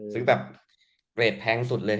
ซื้อแบบเกรดแพงสุดเลย